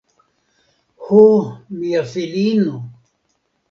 Ho, mia filino!